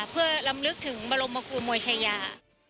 เพื่อลำลึกถึงบรมครูมวยชายา